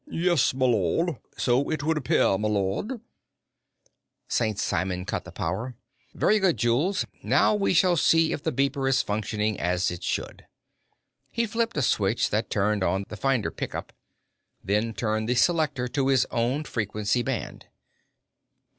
"Yes, m'lud. So it would appear, m'lud." St. Simon cut the power. "Very good, Jules. Now we shall see if the beeper is functioning as it should." He flipped a switch that turned on the finder pickup, then turned the selector to his own frequency band.